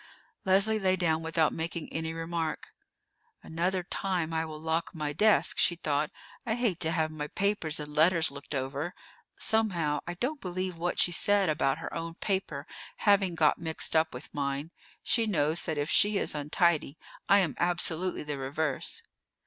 Leslie lay down without making any remark. "Another time I will lock my desk," she thought. "I hate to have my papers and letters looked over. Somehow, I don't believe what she said about her own paper having got mixed up with mine. She knows that if she is untidy I am absolutely the reverse."